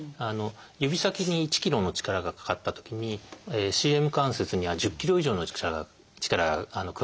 指先に１ｋｇの力がかかったときにＣＭ関節には１０ｋｇ以上の力が加わってるっていわれてます。